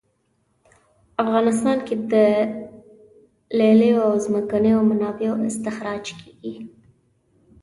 افغانستان کې د لیلیو او ځمکنیو منابعو استخراج کیږي